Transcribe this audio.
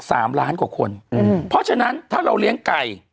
สามล้านกว่าคนอืมเพราะฉะนั้นถ้าเราเลี้ยงไก่